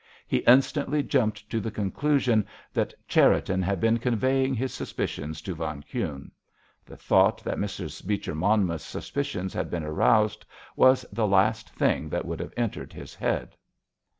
He instantly jumped to the conclusion that Cherriton had been conveying his suspicions to von Kuhne. The thought that Mrs. Beecher Monmouth's suspicions had been aroused was the last thing that would have entered his head.